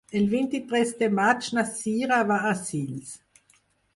El vint-i-tres de maig na Sira va a Sils.